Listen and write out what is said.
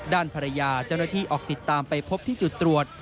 ด้านภรรยาเจ้าหน้าที่ออกติดตามไปพบที่จุดตรวจ